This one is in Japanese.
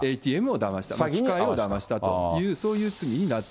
ＡＴＭをだました、機械をだましたという、そういう罪になっ